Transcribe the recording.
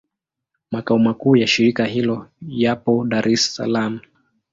Makao makuu ya shirika hilo yapo Dar es Salaam.